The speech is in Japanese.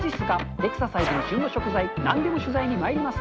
エクササイズに旬の食材、なんでも取材にまいります。